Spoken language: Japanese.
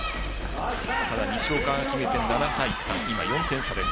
ただ、西岡が決めて７対３今４点差です。